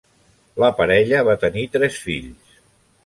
La parella va tenir tres fills.